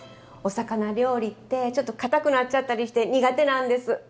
お魚料理ってちょっとかたくなっちゃったりして苦手なんです。